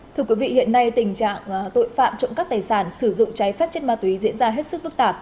thưa quý vị hiện nay tình trạng tội phạm trộm cắp tài sản sử dụng cháy phép chất ma túy diễn ra hết sức phức tạp